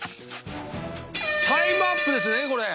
タイムアップですねこれ。